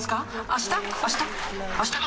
あした？